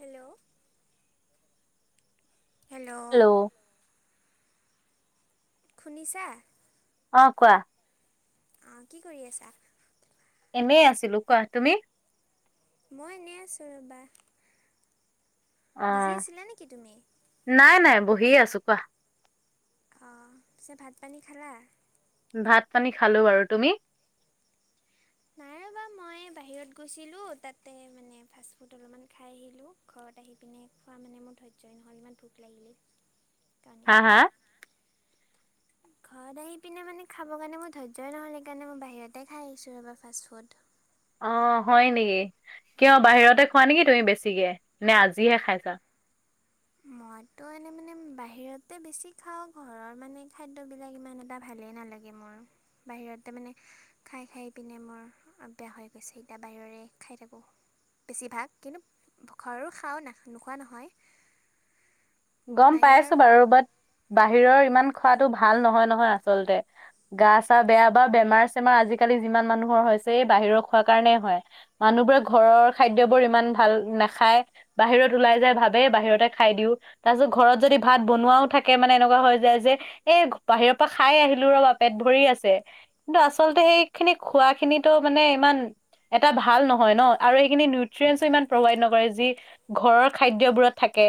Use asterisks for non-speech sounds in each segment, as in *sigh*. Hello hello শুনিছা? অ কোৱা? অ কি কৰি আছা? এনেই আছিলো কোৱা, তুমি? মই এনে আছো ৰবা। অ বিজি আছিলা নেকি তুমি? নাই নাই বহিয়ে আছো, কোৱা? অঁ পিছে ভাত পানী খালা? ভাত পানী খালো বাৰু। তুমি? নাই ৰ'বা মই বাহিৰত গৈছিলোঁ, তাতে মানে ফাষ্টফুড অলপমান খাই আহিলোঁ। ঘৰত আহি পিনে খোৱা মানে মোৰ ধৈৰ্যই নহ'ল। ইমান ভোক লাগিলেই। হা, হা? ঘৰত আহি পিনে মানে খাবৰ কাৰণে মোৰ ধৈৰ্যই নহ'ল। সেইকাৰণে মই বাহিৰতে খাই আহিছোঁ ৰবা ফাষ্ট ফুড। অ হয় নেকি? কিয় বাহিৰতে খোৱা নেকি তুমি বেছিকে, নে আজিহে খাইছা? মইতো এনেই মানে বাহিৰতে বেছি খাওঁ। ঘৰৰ মানে খাদ্যবিলাক ইমান এটা ভালেই নালাগে। *unintelligible* মোৰ বাহিৰতে মানে খাই খাই পিনে মোৰ বেয়া হৈ গৈছে। এতিয়া বাহিৰৰে খাই থাকোঁ। বেছিভাগ, কিন্তু ঘৰো খাও নাখ নোখোৱা নহয়। গম বাহিৰৰ পাইছো বাৰু। বাট' বাহিৰৰ ইমান খোৱাতো ভাল নহয় নহয় আচলতে গা-চা বেয়া বা বেমাৰ চেমাৰ আজিকালি যিমান মানুহৰ হৈছে, এ'বাহিৰৰ খোৱা কাৰণেই হয়। মানুহবোৰে ঘৰৰ খাদ্যবোৰ ইমান ভাল নাখায়, বাহিৰত ওলাই যাই ভাবে বাহিৰতে খাই দিও। তাৰ পিছত ঘৰত যদি ভাত বনোৱাও থাকে মানে এনেকুৱা হৈ যায় যে এ বাহিৰৰ পৰা খাই আহিলো ৰবা, পেট ভৰি আছে। কিন্তু আচলতে সেইখিনি খোৱা খিনিতো মানে ইমান এটাত ভাল নহয় ন আৰু এইখিনি নিউট্ৰিয়েছো ইমান প্ৰভাইড নকৰে। যি ঘৰৰ খাদ্যবোৰত থাকে,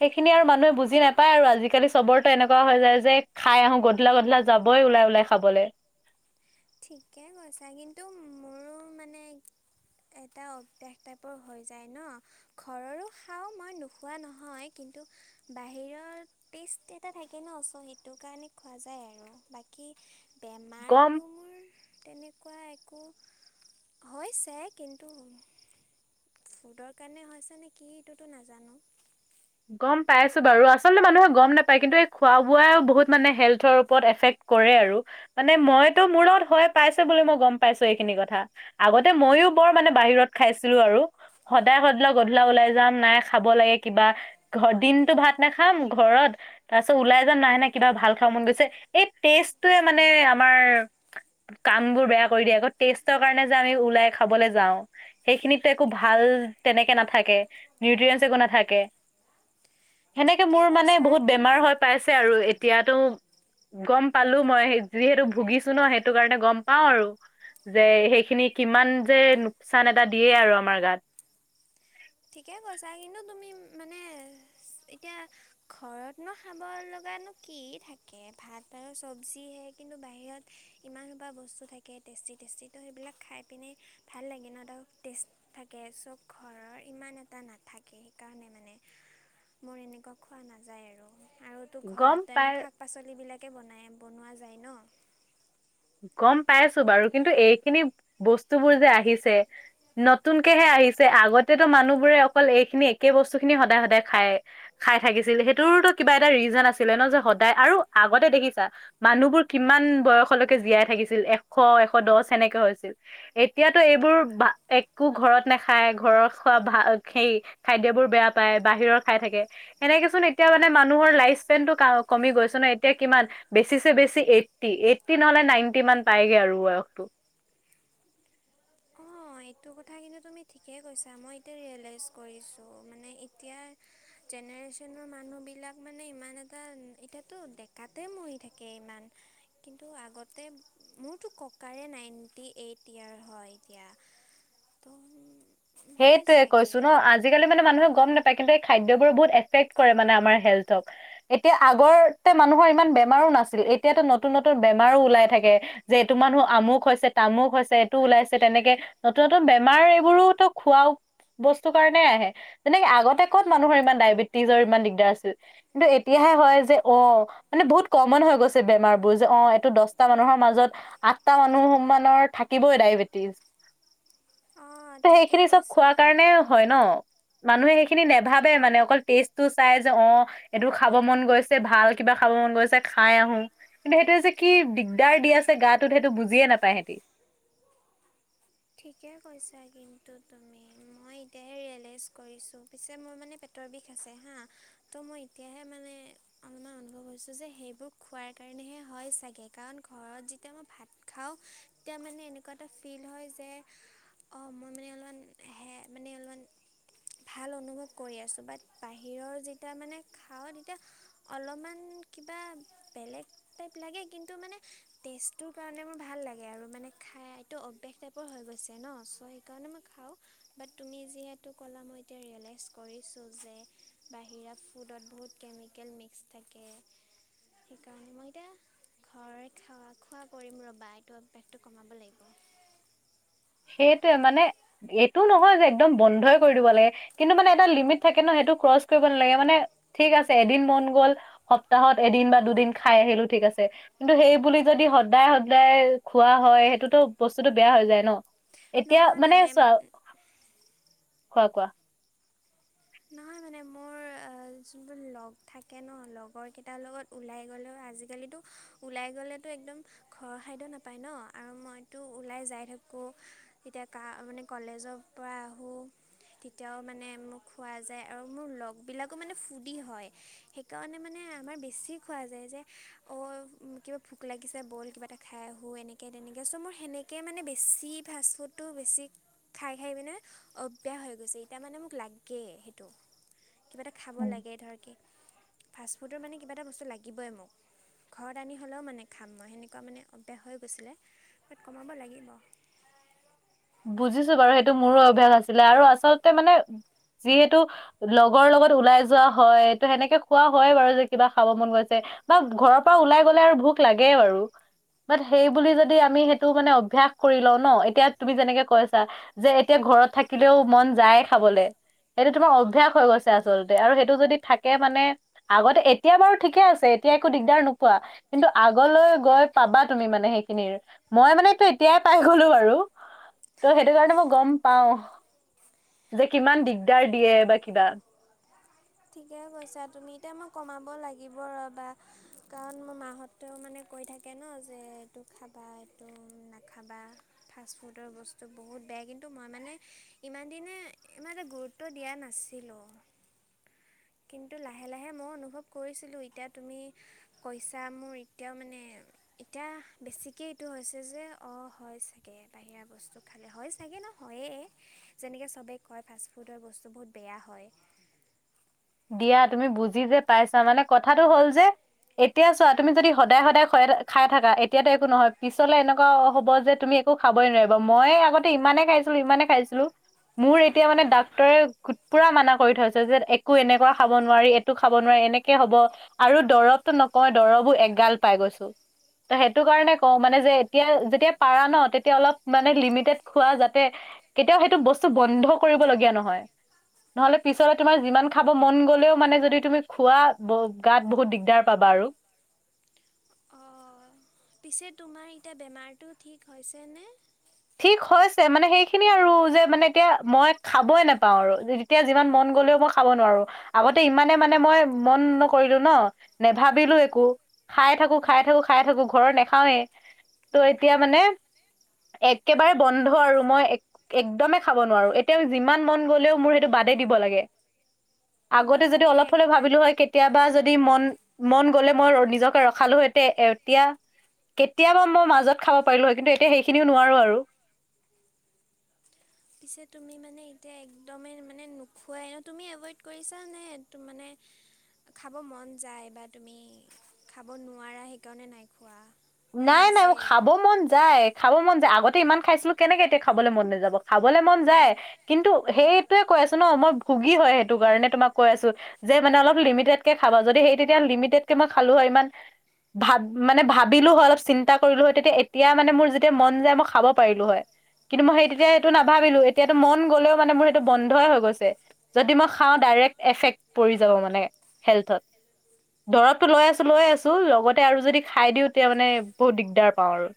সেইখিনি আৰু মানুহে বুজি নাপায় আৰু আজিকালি চবৰতো এনেকুৱা হৈ যায়, যে খাই আহো গধূলা, গধূলা যাবই ওলাই, ওলাই খাবলে। ঠিকে কৈছা, কিন্তু মোৰ মানে এটা অভ্যাস টাইপৰ হৈ যায় ন? ঘৰৰো খাও মই নোখোৱা নহয়, কিন্তু বাহিৰত টেষ্ট এটা থাকে ন, চ' সেইটো কাৰণে খোৱা যায় আৰু কি গম বেমাৰটো মোৰ তেনেকুৱা একো হৈছে। কিন্তু ফুডৰ কাৰণে হৈছে নে কি এইটোতো নাজানো। গম পাইছোঁ বাৰু আচলতে মানুহে গম নাপায়। কিন্তু এই খোৱা বোৱাই বহুত মানে হেল্থৰ ওপৰত এফেক্ট কৰে আৰু মানে মইতো মোৰ লগত হয় পাইছে বুলি মই গম পাইছো এইখিনি কথা। আগতে মইও বৰ মানে বাহিৰত খাইছিলো আৰু সদায় সদলা গধূলা ওলাই যাম নাই খাব লাগে কিবা দিনতটো ভাত নাখাই ঘৰত তাৰপিছত ওলাই যাম নাহে নে কিবা ভাল খাব মন গৈছে, এই টেষ্টটোৱে মানে আমাৰ কাম বোৰ বেয়া কৰি দিয়ে আকৌ টেষ্টৰ কাৰণে যে আমি ওলাই খাবলৈ যাওঁ। সেইখিনিতো একো ভাল তেনেকে নাথাকে, নিউট্ৰিয়েঞ্চ একো নাথাকে। সেনেকে ঠিকে মোৰ মানে কৈছা বহুত কিন্তু বেমাৰ হৈ পাইছে আৰু এতিয়াতো গ'ম পালোঁ মই যিহেতু ভুগিছো ন, সেইটো কাৰণে গম পাওঁ আৰু। যে সেইখিনি কিমান যে লোকচান এটা দিয়ে আৰু আমাৰ গাত। ঠিকে কৈছা কিন্তু তুমি মানে এতিয়া ঘৰতনো খাব লগানো কি থাকে ভাত আৰু চব্জিহে। কিন্তু বাহিৰত ইমান হুপা বস্তু থাকে টেষ্টি-টেষ্টি তো সেইবিলাক খাই পিনে ভাল লাগে ন, তাহু টেষ্ট থাকে, চ ঘৰৰ ইমান এটা নাথাকে, সেইকাৰণে মানে মোৰ এনেকুৱা খোৱা নাযায় আৰু। আৰু তো গম ঘৰত তেনো পাই শাক পাচলিবিলাকে বনাই, বনোৱা যায় ন? গম পাইছোঁ বাৰু কিন্তু এইখিনি বস্তুবোৰ যে আহিছে নতুনকেহে আহিছে আগতেতো মানুহবোৰে অকল এইখিনি একে বস্তু খিনি সদায়-সদায় খায়। খাই থাকিছিল সেইটোৰতো কিবা এটা ৰিজন আছিলে ন যে সদায় আৰু আগতে দেখিছা মানুহবোৰ কিমান বয়সলৈকে জীয়াই থাকিছিল, এশ এশ দহ সেনেকে হৈছিল। এতিয়াতো এইবোৰ বা একো ঘৰত নাখায় ঘৰৰ খোৱা ভ সেই খাদ্যবোৰ বেয়া পায় বাহিৰৰ খাই থাকে। এনেকেচোন এতিয়া মানে মানুহৰ লাইফ স্পেনটো কমি গৈছে ন, এতিয়া কিমান বেছিছে বেছি এইটি, এইটি নহ'লে নাইনটি মান পাইগে আৰু বয়সটো। অ', এইটো কথা কিন্তু তুমি ঠিকেই কৈছা। মই এতিয়া ৰিয়েলাইছ কৰিছোঁ, মনে এতিয়াৰ জেনেৰেশ্যনৰ মানুহবিলাক মানে ইমান এটা এতিয়াতো ডেকাত তাতে মৰি থাকে ইমান। কিন্তু আগতে মোৰতো ককাৰে নাইণ্টি এইট ইয়েৰ হয় এতিয়া। তো সেইটোৱে কৈছোঁ ন আজি আজিকালি মানে মানুহে গম নাপায়, কিন্তু এই খাদ্যবোৰ বহুত এফেক্ কৰে মানে আমাৰ হেল্থক। এতিয়া আগৰতে মানুহৰ ইমান বেমাৰো নাছিল, এতিয়াতো নতুন-নতুন বেমাৰো ওলাই থাকে। যে এইটো মানুহ আমুক হৈছে তামুক হৈছে এইটো ওলাইছে তেনেকে নতুন-নতুন বেমাৰ এইবোৰোতো খোৱাও বস্তু কাৰণে আহে। যেনেকে আগতে কত মানুহৰ ইমান ডায়বেটিজৰ ইমান দিগদাৰ আছিল? কিন্তু এতিয়াহে হয় যে অ' মানে বহুত কমন হৈ গৈছে বেমাৰবোৰ যে অ', এইটো দশটা মানুহৰ মাজত আঠটা মানুহমানৰ থাকিবই ডায়েবেটিছ। *unintelligible* খিনি চব কৈছা খোৱা কাৰণে হয় ন? মানুহে সেইখিনি নেভাবে মানে অকল টেষ্টটো চাই যে অ' এইটো খাব মন গৈছে ভাল কিবা খাব মন গৈছে খাই আহোঁ। কিন্তু সেইটোৱে যে কি দিগদাৰ দি আছে গাটোত সেইটো বুজিয়ে নাপায় হেঁতি। ঠিকে কৈছা কিন্তু তুমি মই এতিয়াহে ৰিয়েলাইজ কৰিছোঁ পিছে মই মানে পেত তৰ বিষ আছে হাঁ, ত' মই এতিয়াহে মানে অলমান অনুভৱ হৈছে যে সেইবোৰ খোৱাৰ কাৰণেহে হয় চাগে, কাৰণ ঘৰত যেতিয়া মই ভাত খাওঁ তিয়া মানে এনেকুৱা এটা ফিল হয় যে যে অ', মই মানে অলমান হে মানে অলমান ভাল অনুভৱ কৰি আছো, বাট বাহিৰৰ যেতিয়া মানে খাওঁ তেতিয়া- অলমান কিবা বেলেগ টাইপ লাগে, কিন্তু মানে টেষ্ট- তোৰ কাৰণে মোৰ ভাল লাগে আৰু মানে খাই এইটো অভ্যাস টাইপ- প হৈ গৈছে ন, চ' সেইকাৰণে মই খাওঁ। বাট তুমি যিহেতু ক'লা মই এতিয়া ৰিয়েলাইজ ক কৰিছোঁ যে বাহিৰা ফুডত বহুত কেমিকেল মিক্স থাকে। থিকাহে মই এতিয়া ঘৰত খেৱা খোৱা কৰিম ৰ'বা এইটো অভ্যাসটো কমাব লাগিব। সেইটোৱে মানে এইটো নহয় যে একদম বন্ধই কৰি দিব লাগে। কিন্তু মানে এটা লিমিট থাকে ন সেইটো ক্ৰচ কৰিব নালাগে মানে ঠিক আছে এদিন মন গ'ল- সপ্তাহত এদিন বা দুদিন খাই আহিলো ঠিক আছে। কিন্তু, সেই বুলি যদি সদায় সদায় খোৱা হয় সেইটোতো বস্তুটো বেয়া হৈ যায় ন। এতিয়া মানে চোৱা খোৱা কোৱা। নহয় মানে মোৰ যোনটোৰ লগ থাকে ন লগৰ কেইটাৰ লগত। ওলাই গ'লেও আজিকালিতো ওলাই গ'লেতো একদম ঘৰ খাদ্য নাপায় ন আৰু মই তো ওলাই যাই থাকোঁ তেতিয়া কা মানে কলেজৰ পৰা আহোঁ। তেতিয়াও মানে মোক- খোৱা যায় আৰু মোৰ লগবিলাকো মানে ফুদি হয়, সেইকাৰণে মানে আমাৰ বেছি খোৱা যায় যে- অঁ কিবা ভোক লাগিছে বল কিবা এটা খাই আহোঁ এনেকে তেনেকে চ' মোৰ সেনেকে- কে মানে বেছি ফাষ্টফুডটো বেছি- খাই খাই মানে অব্যাস হৈ গৈছে, এতিয়া মানে মোক লাগি- কে সেইটো, কিবা এটা খাব লাগে ধৰকে। ফাষ্টফুডৰ মানে কিবা এটা বস্তু লাগিবই মোক। ঘৰত আনি হ'লেও মানে খাম মই সেনেকুৱা মানে অব্যাস হৈ গৈছিলে বাত কমাব লাগিব। বুজিছো বাৰু সেইটো মোৰো অভ্যাস আছিলে আৰু আচলতে মানে যিহেতু- লগৰ লগত ওলাই যোৱা হয় ত সেনেকে খোৱা হয় বাৰু যে কিবা খাব মন গৈছে। বা ঘৰৰ পা ওলাই গ'লে আৰু ভোক লাগে আৰু। বাট সেই বুলি যদি আমি সেইটো মানে অভ্যয়াস কৰি লও ন এতিয়া। তুমি যেনেকে কৈছা যে এতিয়া ঘৰত থাকিলেও মন যায় খাবলৈ। সেইটো তোমাৰ অভ্যয়াস হৈ গৈছে আচলতে আৰু সেইটো যদি থাকে মানে। আগতে এতিয়া বাৰু ঠিকে আছে এতিয়া একো দিগদাৰ নোপোৱা। কিন্তু আগলৈ গৈ পাবা তুমি মানে সেইখিনিৰ মই মানেটো এতিয়াই পাই গলো বাৰু। ত' সেইটো কাৰণে মই গম পাও যে কিমান দিগদাৰ দিয়ে বা কিবা। ঠিকে কৈছা তুমি এতিয়া মই কমাব লাগিব ৰ'বা কাৰণ, মোৰ মাহঁত- তেওঁ মানে কৈ থাকে ন যে এইটো খাবা এইটো নাখাবা। ফাষ্টফুডৰ বস্তু বহুত বেয়া কিন্তু মই মানে ইমান দিনে ইমান এইমানে গুৰুত্ব- টো দিয়া নাছিলোঁ। কিন্তু লাহে লাহে মই অনুভৱ কৰিছিলোঁ এতিয়া তুমি পইচা মোৰ এতিয়াও মানে- এতিয়া বেছিকে এইটো হৈছে যে অঁ হয় চাগে বাহিৰা বস্তু। খালে হয় চাগে ন হয়ে, যেনেকৈ চবেই কয় ফাষ্টফুডৰ বস্তু বহুত বেয়া হয়। দিয়া তুমি বুজি যে পাইছা মানে কথাটো হ'ল যে। এতিয়া চোৱা তুমি যদি সদায় সদায় খোৱাই খাই থাকা এতিয়াতো একো নহয় পিছলে এনেকুৱা হ'ব যে তুমি। একো খাবই নোৱাৰিবা মই আগতে ইমানে খাইছিলো ইমানে খাইছিলো। মোৰ এতিয়া মানে ডাক্তৰে পুৰা মানা কৰি থৈছে যে। একো এনেকুৱা খাব নোৱাৰি এইটো খাব নোৱি এনেকে হ'ব। আৰু দৰৱতটো নকয় দৰৱো এগাল পাই গৈছো। সেইটো কাৰণে কওঁ মানে যে এতিয়া যেতিয়া পাৰা ন তেতিয়া অলপ লিমিটেড খোৱা যাতে। কেতিয়াও সেইটো বস্তু বন্ধ কৰিবলগীয়া নহয়, নহলে পিছলে তোমাৰ যিমান- খাব মন গ'লেও মানে যদি তুমি খোৱা গাত বহুত দিগদাৰ পাবা আৰু। অঁ পিছে তোমাৰ এতিয়া বেমাৰটো ঠিক হৈছেনে। ঠিক হৈছে মানে সেইখিনি আৰু যে মানে এতিয়া মই খাবই নোপাওঁ আৰু। এতিয়া যিমান মন গলেও মই খাব নোৱাৰো, আগতে ইমানে মানে মই মন নকৰিলোঁ ন নাভাবিলোঁ একো, খাই থাকো-খাই থাকো-খাই থাকো, ঘৰত নাখাওৱে। ত' এতিয়া মানে একেবাৰে বন্ধ আৰু মই। একদমেই খাব নোৱাৰো এতিয়া যিমান মন গলেওঁ মোৰ সেইটো বাদেই দিব লাগে। তুমি আগতে যদি মানে অলপ এক হলেও টাইম ভাবিলো হয় কেয়া। কেতিয়াবা যদি মন মন গ'লে মই নিজকে ৰখালো সতে এ এতিয়া। কেতিয়াবা মই মাজত খাব পাৰিলোঁ হয়, কিন্তু এতিয়া সেইখিনিও নোৱাৰো আৰু। পিছে তুমি মানে এতিয়া একদমেই মানে নোখোৱাই ন তুমি এভইড কৰিছা নে? মানে খাব মন যায় বা তুমি খাব নোৱাৰা সেইকাৰণে নাইখোৱা? নাই-নাই মুৰ খাব মন যায় খাব মন যায় আগতে ইমান খাইছিলোঁ, কেনেকে এতিয়া খাবলৈ মন নাযাব? খাবলৈ মন যায় কিন্তু সেইটোয়ে কৈ আছোঁ ন মই ভুগী হয় সেইটো কাৰণে তোমাক কৈ আছোঁ। যে মানে অলপ লিমিটেড কে খাবা যদি সেই তেতিয়া লিমিটেড কে মই খালোঁ হয় ইমান ভাত মানে ভাত ভাবিলোঁ হয় অলপ চিন্তা কৰিলোঁ হয় তেতিয়া এতিয়া মানে মোৰ যেতিয়া মন যায় মই খাব পাৰিলোঁ হয়। কিন্তু মই সেই তেতিয়া এইটো অঁ নাভাবিলোঁ, এতিয়াতো মন গ'লেও মানে মোৰ সেইটো বন্ধই হৈ গৈছে। যদি মই খাওঁ ডাইৰেক্ট এফেক্ট পৰি যাব মানে হেল্থত। দৰৱতটো লৈ আছোঁ-লৈ আছোঁ, লগতে আৰু যদি খাই দিওঁ তেতিয়া মানে বহুত দিগদাৰ পাওঁ আৰু।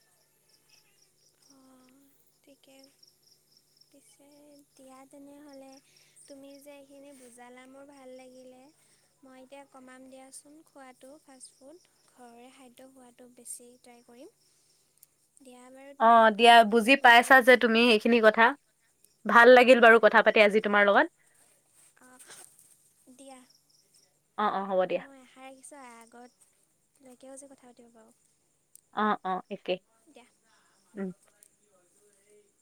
অঁ ঠিকে। পিছে দিয়া তেনেহ'লে, তুমি যে এইখিনি বুজালা মোৰ ভাল লাগিলে। মই এতিয়া কমাম দিয়াচোন খোৱাটো ফাষ্টফুড, ঘৰৰে খাদ্য খোৱাটো বেছি ট্ৰাই কৰিম। দিয়া আমাৰ অ', দিয়া বুজি পাইছা যে তুমি এইেখিনি কথা। ভাল লাগিল বাৰু কথা পাতি আজি তোমাৰ লগত। অ'। দিয়া। অ' অ' হ'ব দিয়া মই আশা ৰাখিছোঁ আগত লৈকেও যে কথা পাতিব পাৰোঁ। অ', অ', একে। দিয়া। উম। *unintelligible*